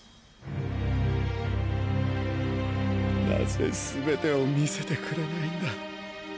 なぜすべてを見せてくれないんだ。